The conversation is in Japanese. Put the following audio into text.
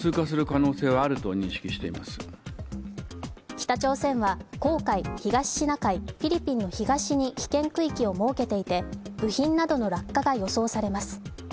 北朝鮮は黄海、東シナ海、フィリピンの東に危険区域を設けていて部品などの落下が予想されます。